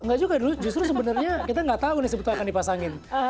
enggak juga justru sebenarnya kita gak tau nih sebetulnya akan dipasangin